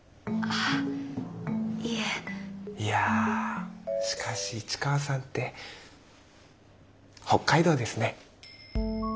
いやしかし市川さんって北海道ですね。